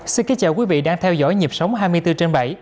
xin kính chào quý vị đang theo dõi nhịp sống hai mươi bốn trên bảy